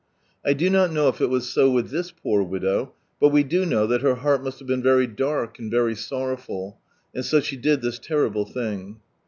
I do not know if it was so with this poor widow, but we do know that her heart must have been very dark and very sonowful, and so she did this lerrtble thing.